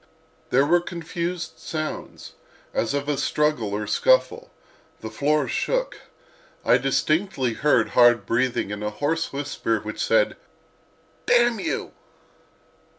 There were confused sounds, as of a struggle or scuffle; the floor shook. I distinctly heard hard breathing and a hoarse whisper which said "Damn you!"